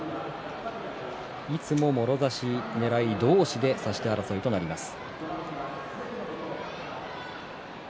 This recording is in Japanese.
いつも、もろ差しねらい同士で差し手争いとなります。